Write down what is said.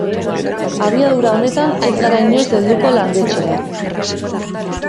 Abiadura honetan ez gara inoiz helduko landetxera.